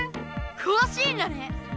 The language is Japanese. くわしいんだね！